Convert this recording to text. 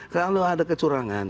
kalau ada kecurangan